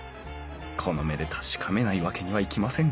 この目で確かめないわけにはいきません